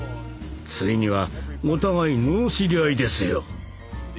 ついにはお互い罵り合いですよ。